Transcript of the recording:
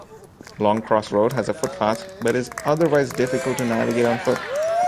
Longcross Road has a footpath but is otherwise difficult to navigate on foot.